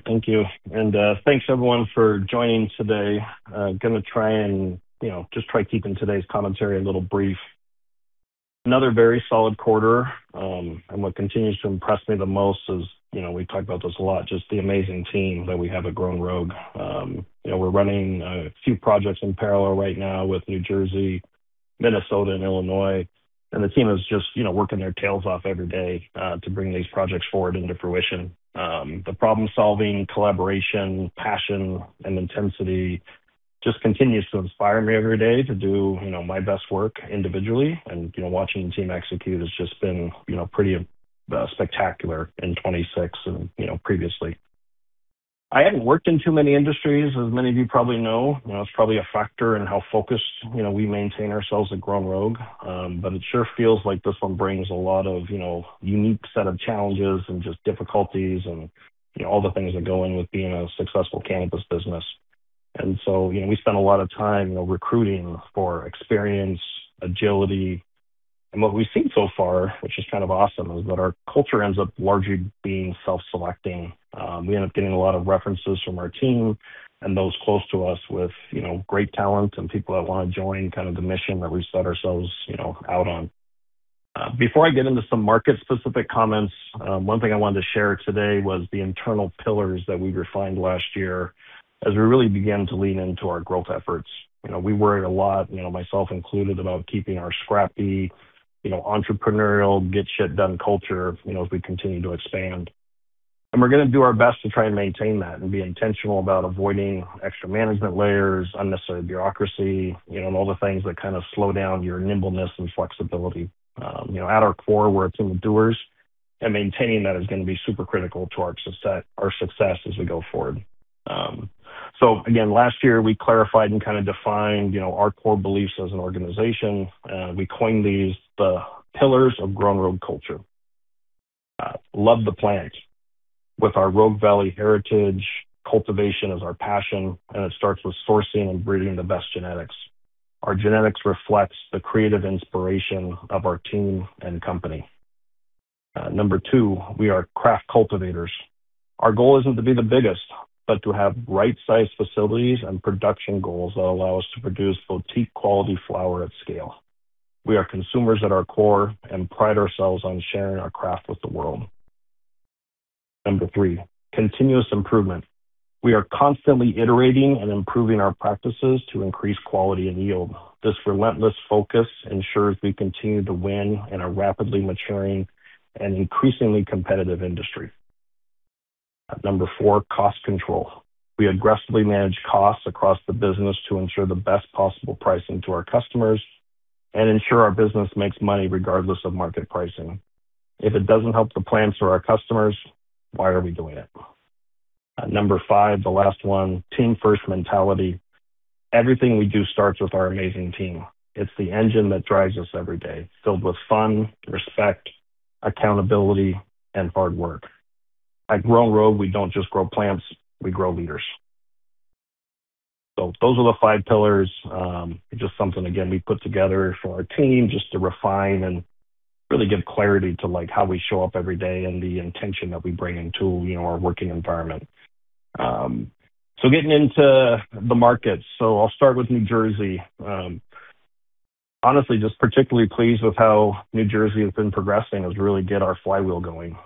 Great. Thank you. Thanks everyone for joining today. Going to just try keeping today's commentary a little brief. Another very solid quarter. What continues to impress me the most is, we talk about this a lot, just the amazing team that we have at Grown Rogue. We're running a few projects in parallel right now with New Jersey, Minnesota, and Illinois, the team is just working their tails off every day, to bring these projects forward and to fruition. The problem-solving, collaboration, passion, and intensity just continues to inspire me every day to do my best work individually. Watching the team execute has just been pretty spectacular in 2026 and previously. I hadn't worked in too many industries, as many of you probably know. It's probably a factor in how focused we maintain ourselves at Grown Rogue. It sure feels like this one brings a lot of unique set of challenges and just difficulties and all the things that go in with being a successful cannabis business. We spend a lot of time recruiting for experience, agility. What we've seen so far, which is kind of awesome, is that our culture ends up largely being self-selecting. We end up getting a lot of references from our team and those close to us with great talent and people that want to join the mission that we set ourselves out on. Before I get into some market-specific comments, one thing I wanted to share today was the internal pillars that we refined last year as we really began to lean into our growth efforts. We worried a lot, myself included, about keeping our scrappy, entrepreneurial, get shit done culture as we continue to expand. We're going to do our best to try and maintain that and be intentional about avoiding extra management layers, unnecessary bureaucracy, and all the things that kind of slow down your nimbleness and flexibility. At our core, we're a team of doers, maintaining that is going to be super critical to our success as we go forward. Last year, we clarified and kind of defined our core beliefs as an organization. We coined these the pillars of Grown Rogue culture. Love the plant. With our Rogue Valley heritage, cultivation is our passion, it starts with sourcing and breeding the best genetics. Our genetics reflects the creative inspiration of our team and company. Number two, we are craft cultivators. Our goal isn't to be the biggest, but to have right-sized facilities and production goals that allow us to produce boutique-quality flower at scale. We are consumers at our core, pride ourselves on sharing our craft with the world. Number three, continuous improvement. We are constantly iterating and improving our practices to increase quality and yield. This relentless focus ensures we continue to win in a rapidly maturing and increasingly competitive industry. Number four, cost control. We aggressively manage costs across the business to ensure the best possible pricing to our customers, ensure our business makes money regardless of market pricing. If it doesn't help the plants or our customers, why are we doing it? Number five, the last one, team first mentality. Everything we do starts with our amazing team. It's the engine that drives us every day, filled with fun, respect, accountability, and hard work. At Grown Rogue, we don't just grow plants, we grow leaders. Those are the five pillars. Just something, again, we put together for our team just to refine and really give clarity to how we show up every day and the intention that we bring into our working environment. Getting into the markets. I'll start with New Jersey. Honestly, just particularly pleased with how New Jersey has been progressing has really gotten our flywheel going.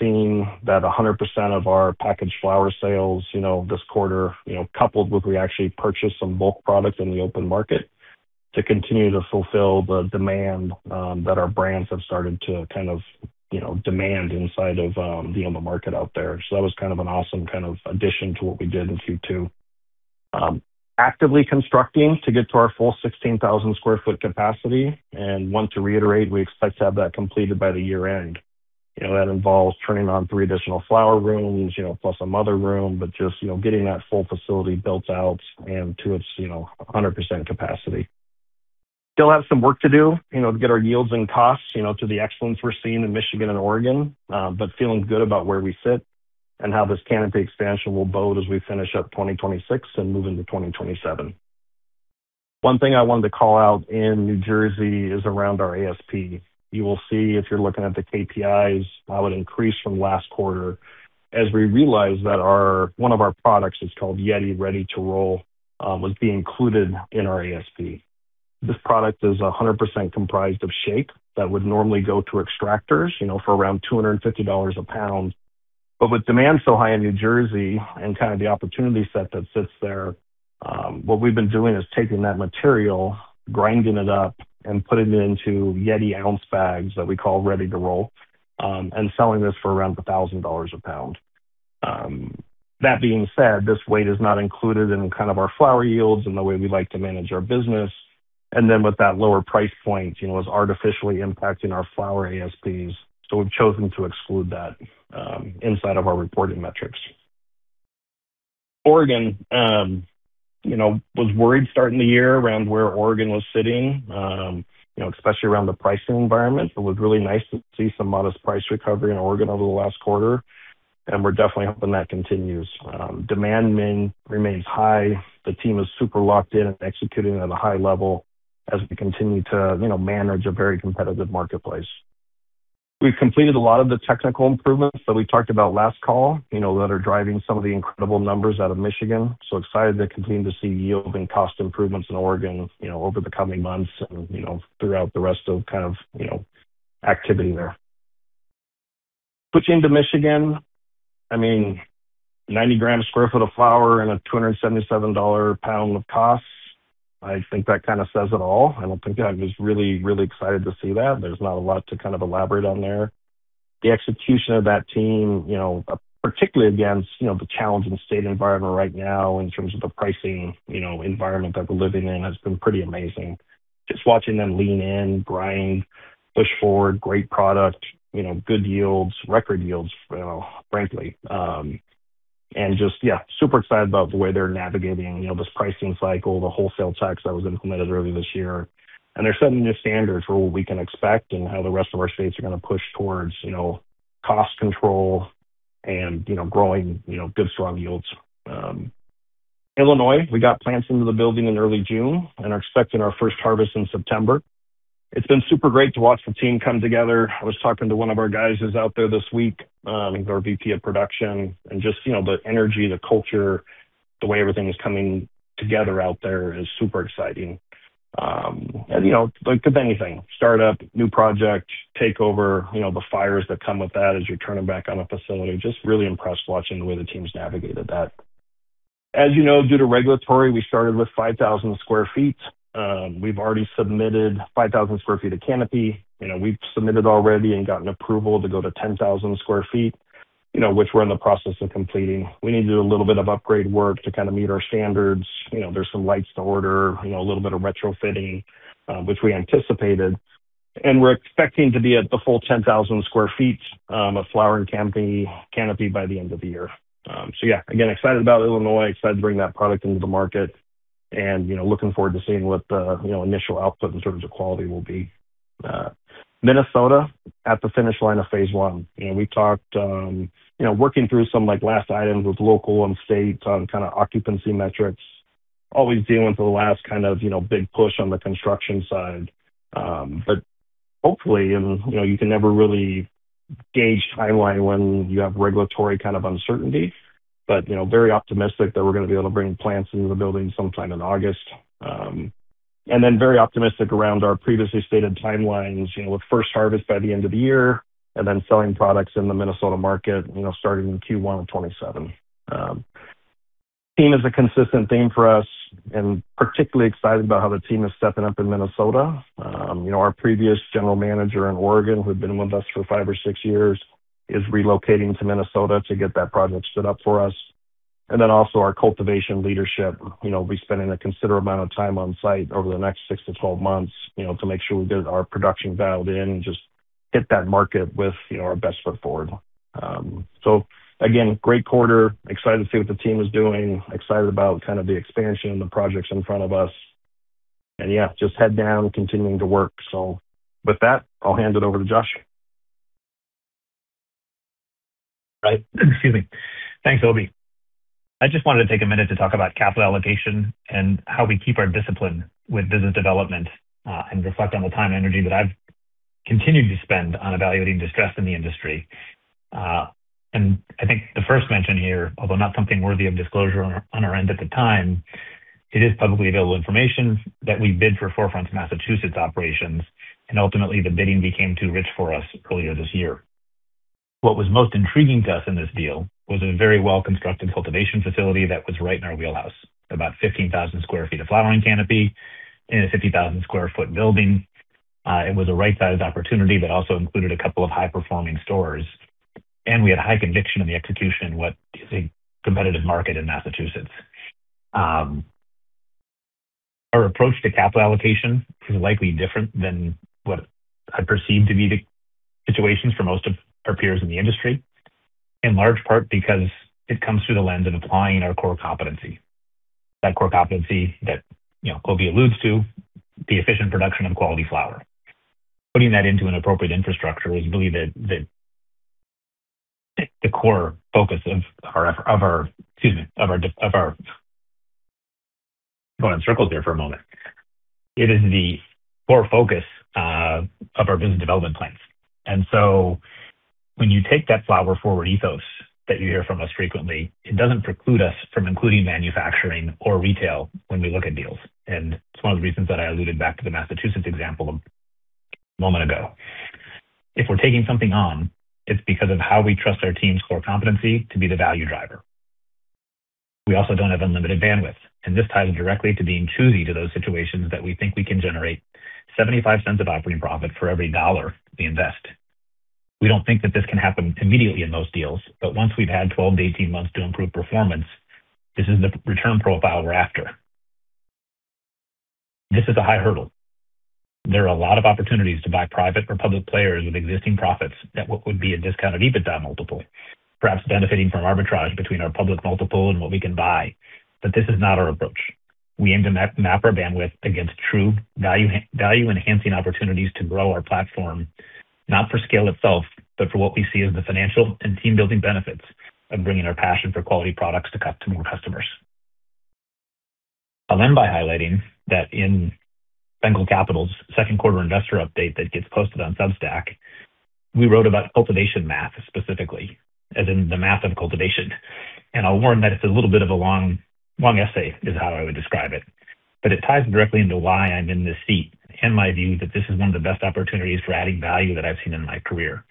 Seeing that 100% of our packaged flower sales this quarter, coupled with we actually purchased some bulk products in the open market to continue to fulfill the demand that our brands have started to demand inside of the open market out there. That was an awesome addition to what we did in Q2. Actively constructing to get to our full 16,000 sq ft capacity. Want to reiterate, we expect to have that completed by the year-end. That involves turning on three additional flower rooms, plus a mother room. Just getting that full facility built out and to its 100% capacity. Still have some work to do to get our yields and costs to the excellence we're seeing in Michigan and Oregon, but feeling good about where we sit and how this canopy expansion will bode as we finish up 2026 and move into 2027. One thing I wanted to call out in New Jersey is around our ASP. You will see if you're looking at the KPIs, how it increased from last quarter as we realized that one of our products, it's called YETI Ready to Roll, was being included in our ASP. This product is 100% comprised of shake that would normally go to extractors for around $250 a pound. With demand so high in New Jersey and the opportunity set that sits there, what we've been doing is taking that material, grinding it up, and putting it into YETI ounce bags that we call Ready to Roll, and selling this for around $1,000 a pound. That being said, this weight is not included in our flower yields and the way we like to manage our business. With that lower price point was artificially impacting our flower ASPs. We've chosen to exclude that inside of our reporting metrics. Oregon. Was worried starting the year around where Oregon was sitting, especially around the pricing environment. It was really nice to see some modest price recovery in Oregon over the last quarter, and we're definitely hoping that continues. Demand remains high. The team is super locked in and executing at a high level as we continue to manage a very competitive marketplace. We've completed a lot of the technical improvements that we talked about last call, that are driving some of the incredible numbers out of Michigan. Excited to continue to see yield and cost improvements in Oregon over the coming months and throughout the rest of activity there. Switching to Michigan, 90 g/sq ft of flower and a $277 pound of costs, I think that says it all. I was really excited to see that. There's not a lot to elaborate on there. The execution of that team, particularly against the challenging state environment right now in terms of the pricing environment that we're living in, has been pretty amazing. Just watching them lean in, grind, push forward, great product, good yields, record yields, frankly. Just, yeah, super excited about the way they're navigating this pricing cycle, the wholesale tax that was implemented earlier this year. They're setting new standards for what we can expect and how the rest of our states are going to push towards cost control and growing good, strong yields. In Illinois, we got plants into the building in early June and are expecting our first harvest in September. It's been super great to watch the team come together. I was talking to one of our guys who's out there this week, our VP of production, and just the energy, the culture, the way everything is coming together out there is super exciting. Like with anything, startup, new project, takeover, the fires that come with that as you're turning back on a facility, just really impressed watching the way the team's navigated that. As you know, due to regulatory, we started with 5,000 sq ft. We've already submitted 5,000 sq ft of canopy. We've submitted already and gotten approval to go to 10,000 sq ft, which we're in the process of completing. We need to do a little bit of upgrade work to meet our standards. There's some lights to order, a little bit of retrofitting, which we anticipated. We're expecting to be at the full 10,000 sq ft of flower and canopy by the end of the year. Yeah, again, excited about Illinois, excited to bring that product into the market and looking forward to seeing what the initial output in terms of quality will be. Minnesota, at the finish line of phase I. We're working through some last items with local and state on occupancy metrics, always dealing with the last big push on the construction side. Hopefully, and you can never really gauge timeline when you have regulatory uncertainty, but very optimistic that we're going to be able to bring plants into the building sometime in August. Then very optimistic around our previously stated timelines with first harvest by the end of the year, and then selling products in the Minnesota market starting in Q1 of 2027. Team is a consistent theme for us, and particularly excited about how the team is stepping up in Minnesota. Our previous general manager in Oregon, who had been with us for five or six years, is relocating to Minnesota to get that project stood up for us. Also our cultivation leadership will be spending a considerable amount of time on site over the next six to 12 months to make sure we get our production dialed in and just hit that market with our best foot forward. Again, great quarter. I am excited to see what the team is doing. I am excited about the expansion and the projects in front of us. Yeah, we are just head down, continuing to work. With that, I'll hand it over to Josh. Right. Excuse me. Thanks, Obie. I just wanted to take a minute to talk about capital allocation and how we keep our discipline with business development, and reflect on the time and energy that I've continued to spend on evaluating distress in the industry. I think the first mention here, although not something worthy of disclosure on our end at the time, it is publicly available information that we bid for 4Front Ventures' Massachusetts operations, and ultimately the bidding became too rich for us earlier this year. What was most intriguing to us in this deal was a very well-constructed cultivation facility that was right in our wheelhouse. About 15,000 sq ft of flowering canopy in a 50,000 sq ft building. It was a right-sized opportunity that also included a couple of high-performing stores. We had high conviction in the execution in what is a competitive market in Massachusetts. Our approach to capital allocation is likely different than what I perceive to be the situations for most of our peers in the industry, in large part because it comes through the lens of applying our core competency. That core competency that Obie alludes to, the efficient production of quality flower. Putting that into an appropriate infrastructure is really the core focus of our effort, excuse me. Going in circles here for a moment. It is the core focus of our business development plans. When you take that flower-forward ethos that you hear from us frequently, it doesn't preclude us from including manufacturing or retail when we look at deals. It's one of the reasons that I alluded back to the Massachusetts example a moment ago. If we're taking something on, it's because of how we trust our team's core competency to be the value driver. We also don't have unlimited bandwidth, and this ties directly to being choosy to those situations that we think we can generate $0.75 of operating profit for every $1 we invest. We don't think that this can happen immediately in those deals, but once we've had 12-18 months to improve performance, this is the return profile we're after. This is a high hurdle. There are a lot of opportunities to buy private or public players with existing profits that would be a discounted EBITDA multiple, perhaps benefiting from arbitrage between our public multiple and what we can buy. This is not our approach. We aim to map our bandwidth against true value-enhancing opportunities to grow our platform, not for scale itself, but for what we see as the financial and team-building benefits of bringing our passion for quality products to more customers. I'll end by highlighting that in Bengal Capital's second quarter investor update that gets posted on Substack, we wrote about cultivation math specifically, as in the math of cultivation. I'll warn that it's a little bit of a long essay, is how I would describe it. It ties directly into why I'm in this seat, and my view that this is one of the best opportunities for adding value that I've seen in my career.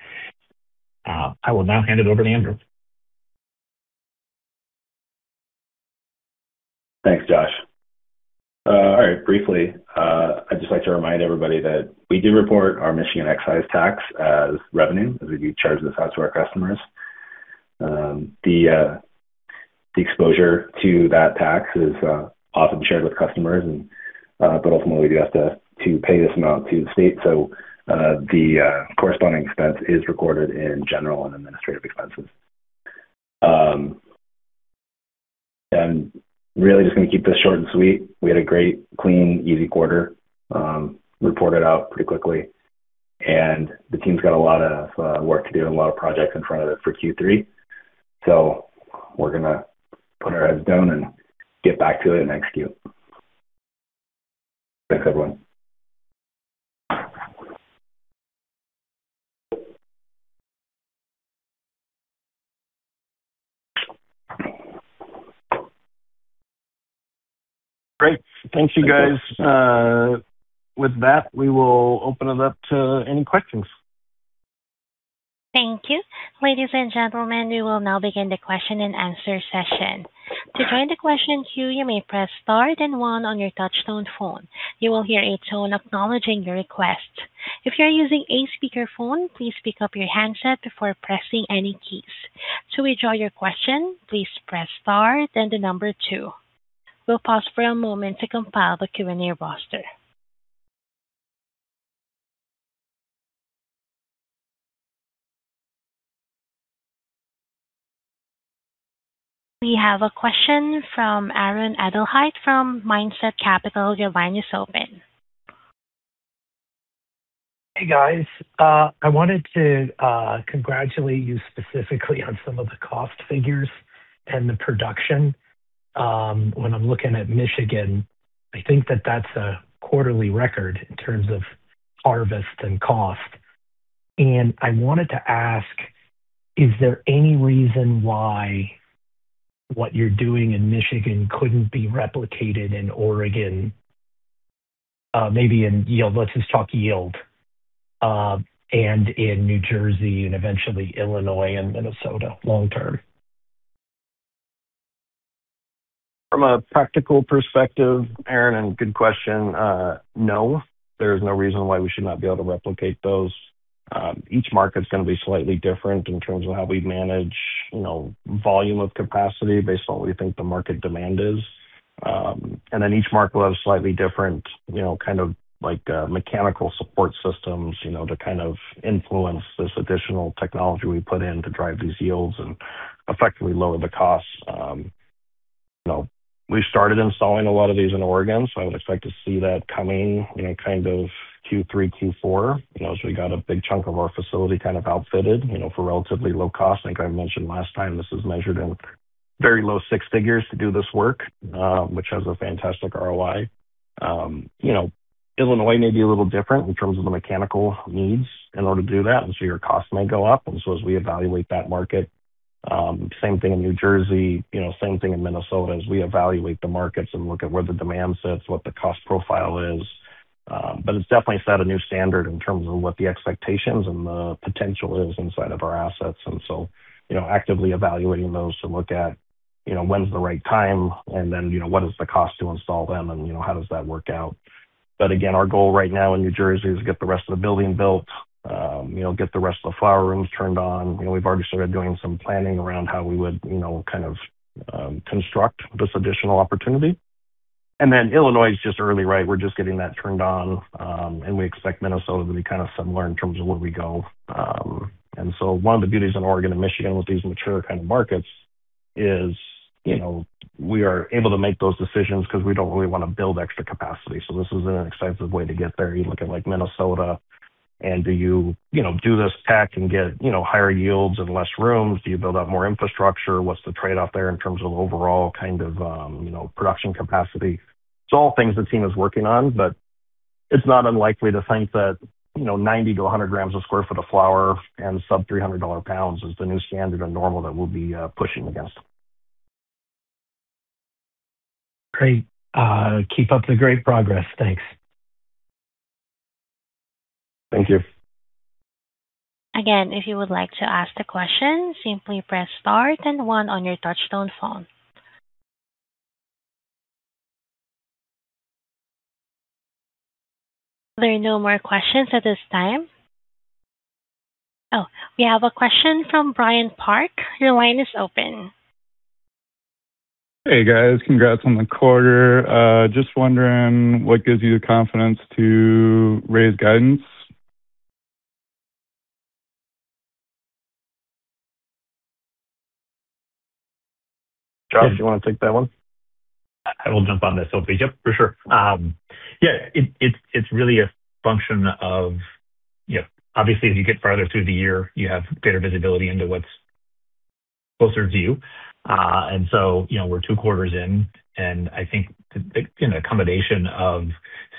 I will now hand it over to Andrew. Thanks, Josh. All right. Briefly, I'd just like to remind everybody that we do report our Michigan excise tax as revenue, as we do charge this out to our customers. The exposure to that tax is often shared with customers, but ultimately we do have to pay this amount to the state. The corresponding expense is recorded in general and administrative expenses. I'm really just going to keep this short and sweet. We had a great, clean, easy quarter. Reported out pretty quickly. The team's got a lot of work to do and a lot of projects in front of it for Q3. We're going to put our heads down and get back to it and execute. Thanks, everyone. Great. Thank you, guys. With that, we will open it up to any questions. Thank you. Ladies and gentlemen, we will now begin the question and answer session. To join the question queue, you may press star then one on your touch-tone phone. You will hear a tone acknowledging your request. If you are using a speakerphone, please pick up your handset before pressing any keys. To withdraw your question, please press star then the number two. We'll pause for a moment to compile the Q&A roster. We have a question from Aaron Edelheit from Mindset Capital. Your line is open. Hey, guys. I wanted to congratulate you specifically on some of the cost figures and the production. When I'm looking at Michigan, I think that that's a quarterly record in terms of harvest and cost. I wanted to ask, is there any reason why what you're doing in Michigan couldn't be replicated in Oregon? Maybe in yield, let's just talk yield, and in New Jersey and eventually Illinois and Minnesota long term. From a practical perspective, Aaron Edelheit, good question, no. There is no reason why we should not be able to replicate those. Each market's going to be slightly different in terms of how we manage volume of capacity based on what we think the market demand is. Each market will have slightly different kind of mechanical support systems to kind of influence this additional technology we put in to drive these yields and effectively lower the costs. We started installing a lot of these in Oregon, so I would expect to see that coming kind of Q3, Q4, as we got a big chunk of our facility kind of outfitted for relatively low cost. I think I mentioned last time, this is measured in very low $6 figures to do this work, which has a fantastic ROI. Illinois may be a little different in terms of the mechanical needs in order to do that, so your cost may go up. As we evaluate that market, same thing in New Jersey, same thing in Minnesota, as we evaluate the markets and look at where the demand sits, what the cost profile is. It's definitely set a new standard in terms of what the expectations and the potential is inside of our assets. Actively evaluating those to look at when's the right time and what is the cost to install them and how does that work out. Our goal right now in New Jersey is get the rest of the building built, get the rest of the flower rooms turned on. We've already started doing some planning around how we would kind of construct this additional opportunity. Illinois is just early, right. We're just getting that turned on, and we expect Minnesota to be kind of similar in terms of where we go. One of the beauties in Oregon and Michigan with these mature kind of markets is we are able to make those decisions because we don't really want to build extra capacity. This is an inexpensive way to get there. You look at Minnesota, and do you do this tech and get higher yields and less rooms? Do you build out more infrastructure? What's the trade-off there in terms of overall kind of production capacity? It's all things the team is working on, but it's not unlikely to think that 90-100 g/sq ft of flower and sub $300 pounds is the new standard and normal that we'll be pushing against. Great. Keep up the great progress. Thanks. Thank you. Again, if you would like to ask the question, simply press star then one on your touch tone phone. There are no more questions at this time. Oh, we have a question from Brian Park. Your line is open. Hey, guys. Congrats on the quarter. Just wondering what gives you the confidence to raise guidance. Josh, do you want to take that one? I will jump on this, Obie. Yep, for sure. Yeah, it's really a function of, obviously, as you get farther through the year, you have better visibility into what's Closer view. We're two quarters in, and I think a combination of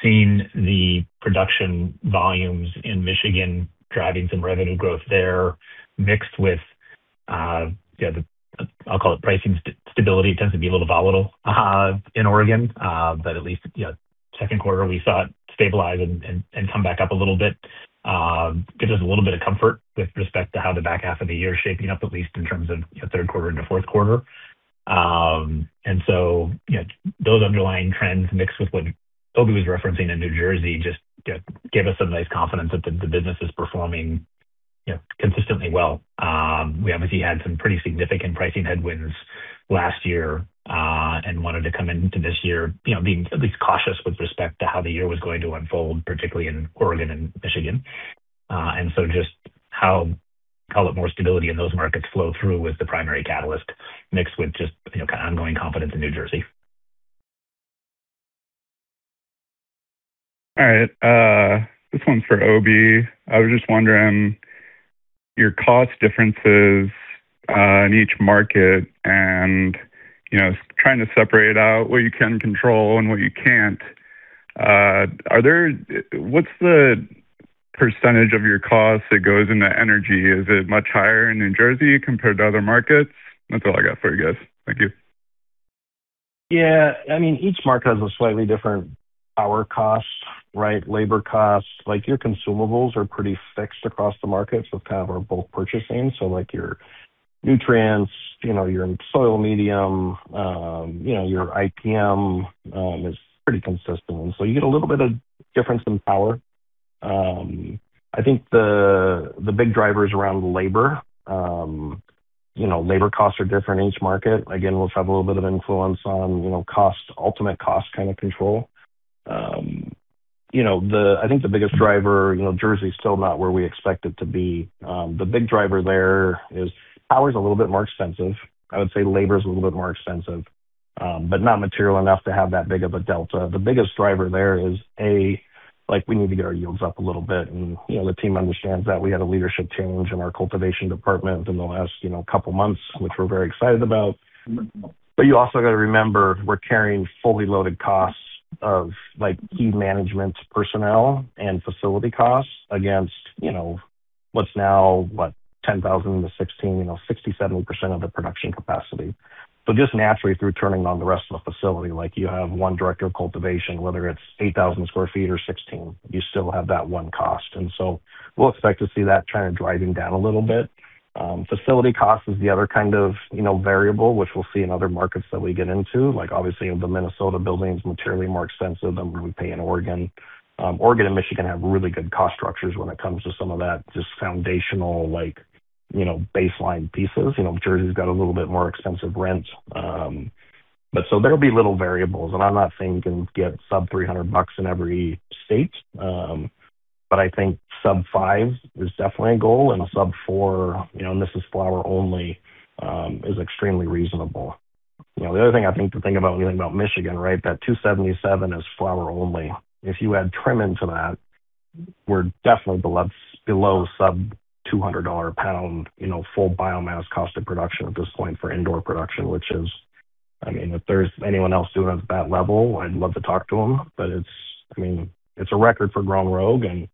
seeing the production volumes in Michigan driving some revenue growth there, mixed with the, I'll call it, pricing stability. It tends to be a little volatile in Oregon. But at least second quarter, we saw it stabilize and come back up a little bit. Gives us a little bit of comfort with respect to how the back half of the year is shaping up, at least in terms of third quarter into fourth quarter. Those underlying trends mixed with what Obie was referencing in New Jersey just give us a nice confidence that the business is performing consistently well. We obviously had some pretty significant pricing headwinds last year, wanted to come into this year being at least cautious with respect to how the year was going to unfold, particularly in Oregon and Michigan. Just how a lot more stability in those markets flow through was the primary catalyst, mixed with just ongoing confidence in New Jersey. All right. This one's for Obie. I was just wondering, your cost differences in each market and trying to separate out what you can control and what you can't. What's the percentage of your cost that goes into energy? Is it much higher in New Jersey compared to other markets? That's all I got for you guys. Thank you. Yeah. Each market has a slightly different power cost, labor cost. Your consumables are pretty fixed across the market, so kind of our bulk purchasing. Your nutrients, your soil medium, your IPM is pretty consistent. You get a little bit of difference in power. I think the big driver is around labor. Labor costs are different in each market. Again, we'll have a little bit of influence on ultimate cost kind of control. I think the biggest driver, Jersey's still not where we expect it to be. The big driver there is power's a little bit more expensive. I would say labor is a little bit more expensive, but not material enough to have that big of a delta. The biggest driver there is, A. We need to get our yields up a little bit, and the team understands that. We had a leadership change in our cultivation department in the last couple of months, which we're very excited about. You also got to remember, we're carrying fully loaded costs of key management personnel and facility costs against what's now, what? 10,000-16,000 sq ft. 60%-70% of the production capacity. Just naturally through turning on the rest of the facility, you have one director of cultivation, whether it's 8,000 sq ft or 16,000 sq ft, you still have that one cost. We'll expect to see that trend driving down a little bit. Facility cost is the other kind of variable, which we'll see in other markets that we get into. Obviously, the Minnesota building is materially more expensive than what we pay in Oregon. Oregon and Michigan have really good cost structures when it comes to some of that, just foundational baseline pieces. Jersey's got a little bit more expensive rent. There'll be little variables, and I'm not saying you can get sub-$300 in every state. I think sub-$5 is definitely a goal, and a sub-$4, and this is flower only, is extremely reasonable. The other thing, I think the thing about when you think about Michigan, that $277 is flower only. If you add trim into that, we're definitely below sub-$200 a pound full biomass cost of production at this point for indoor production, which is, if there's anyone else doing it at that level, I'd love to talk to them. It's a record for Grown Rogue, and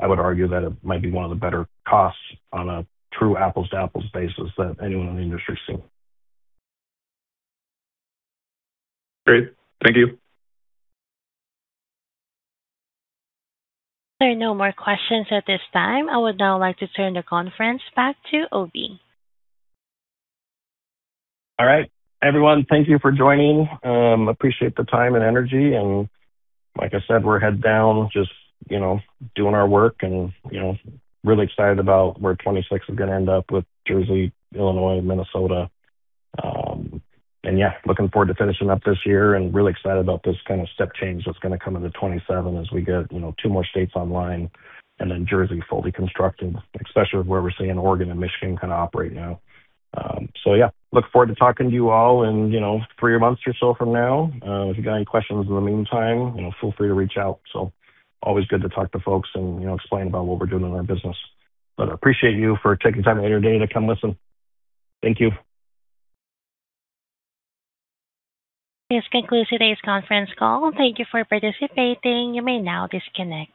I would argue that it might be one of the better costs on a true apples-to-apples basis that anyone in the industry's seen. Great. Thank you. There are no more questions at this time. I would now like to turn the conference back to Obie. All right, everyone. Thank you for joining. Appreciate the time and energy, like I said, we're head down just doing our work and really excited about where 2026 is going to end up with Jersey, Illinois, Minnesota. Yeah, looking forward to finishing up this year and really excited about this kind of step change that's going to come into 2027 as we get two more states online and then Jersey fully constructed, especially where we're seeing Oregon and Michigan kind of operate now. Yeah, look forward to talking to you all in three months or so from now. If you've got any questions in the meantime, feel free to reach out. Always good to talk to folks and explain about what we're doing in our business. I appreciate you for taking time out of your day to come listen. Thank you. This concludes today's conference call. Thank you for participating. You may now disconnect.